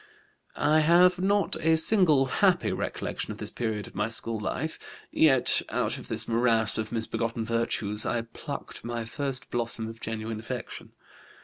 "I have not a single happy recollection of this period of my school life. Yet out of this morass of misbegotten virtues I plucked my first blossom of genuine affection.